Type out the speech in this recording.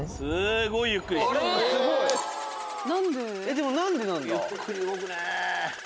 でも何でなんだ？